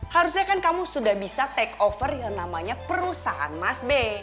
harusnya kan kamu sudah bisa take over yang namanya perusahaan mas b